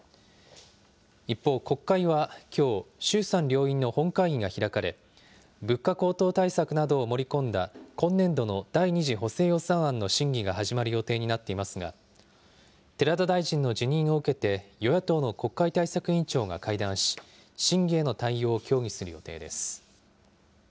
一方、国会はきょう、衆参両院の本会議が開かれ、物価高騰対策などを盛り込んだ、今年度の第２次補正予算案の審議が始まる予定になっていますが、寺田大臣の辞任を受けて、与野党の国会対策委員長が会談し、審議への対応を協議する予定です。